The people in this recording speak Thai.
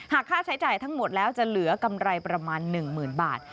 หากค่าใช้จ่ายทั้งหมดแล้วจะเหลือกำไรประมาณ๑๐๐๐บาท